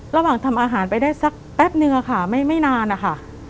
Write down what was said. ระหว่างทำอาหารไปได้สักแป๊บนึงค่ะไม่นานนะคะ